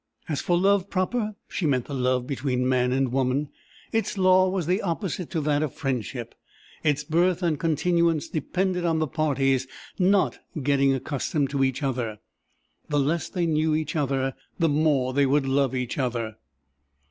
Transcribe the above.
As for love proper she meant the love between man and woman its law was the opposite to that of friendship; its birth and continuance depended on the parties not getting accustomed to each other; the less they knew each other, the more they would love each other.